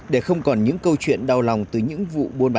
để không còn những câu chuyện đau lòng từ những vụ buôn bán